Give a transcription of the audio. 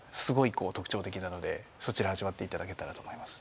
こう特徴的なのでそちら味わっていただけたらと思います